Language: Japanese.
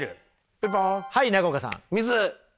ピンポン。